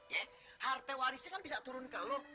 ya harta warisnya kan bisa turun ke lo